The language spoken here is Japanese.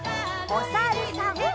おさるさん。